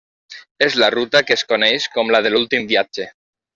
És la ruta que es coneix com la de l'últim viatge.